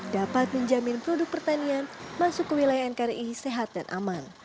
dapat menjamin produk pertanian masuk ke wilayah nkri sehat dan aman